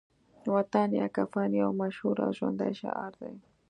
وطن یا کفن يو مشهور او ژوندی شعار دی